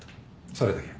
それだけ。